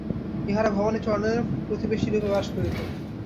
ইঁহারা ভবানীচরণের প্রতিবেশীরূপে বাস করিতেন।